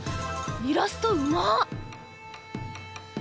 イラストうまっ！